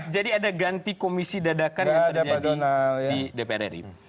jadi ada ganti komisi dadakan yang terjadi di dpr ri